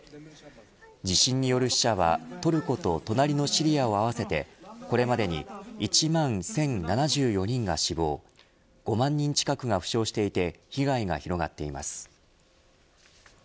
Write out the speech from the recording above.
地震による死者はトルコと隣のシリアを合わせてこれまでに１万１０７４人が死亡５万人近くが負傷していて被害が広がっています。